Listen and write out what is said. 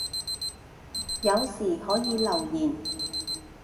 有事可以留言